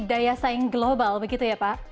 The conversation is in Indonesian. daya saing global begitu ya pak